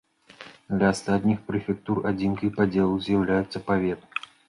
Для астатніх прэфектур адзінкай падзелу з'яўляецца павет.